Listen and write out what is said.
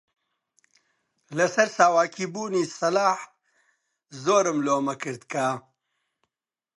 لەسەر ساواکی بوونی سەلاح زۆرم لۆمە کرد کە: